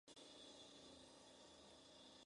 La isla está actualmente deshabitada.